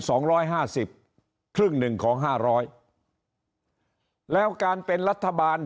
สองร้อยห้าสิบครึ่งหนึ่งของห้าร้อยแล้วการเป็นรัฐบาล